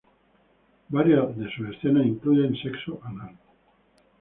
Varias de sus escenas incluyen sexo anal.